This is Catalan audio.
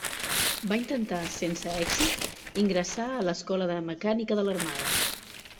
Va intentar, sense èxit, ingressar a l'Escola de Mecànica de l'Armada.